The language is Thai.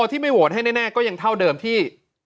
ที่ไม่โหวตให้แน่ก็ยังเท่าเดิมที่